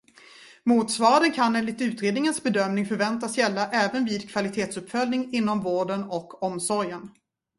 Motsvarande kan enligt utredningens bedömning förväntas gälla även vid kvalitetsuppföljning inom vården och omsorgen.